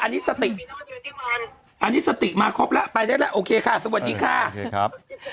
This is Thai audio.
อันนี้สติอันนี้สติมาครบแล้วไปได้แล้วโอเคค่ะสวัสดีค่ะครับ